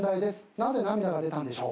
なぜ涙が出たんでしょう。